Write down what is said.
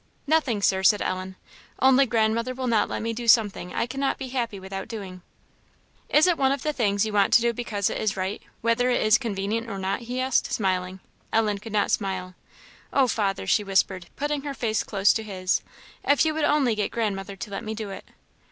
"Nothing Sir," said Ellen, "only grandmother will not let me do something I cannot be happy without doing." "Is it one of the things you want to do because it is right, whether it is convenient or not?" he asked, smiling. Ellen could not smile. "O, father," she whispered, putting her face close to his, "if you would only get grandmother to let me do it!"